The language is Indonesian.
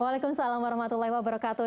waalaikumsalam warahmatullahi wabarakatuh